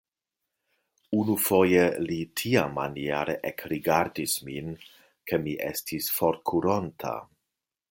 Unufoje li tiamaniere ekrigardis min, ke mi estis forkuronta.